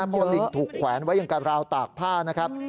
บัวลิงถูกแขวนไว้อย่างกับราวตากผ้านะครับ